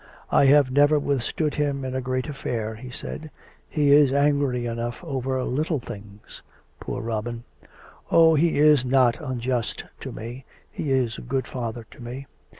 " I have never withstood him in a great affair," he said. " He is angry enough over little things." " Poor Robin !"" Oh ! he is not unj ust to me. He is a good father to me."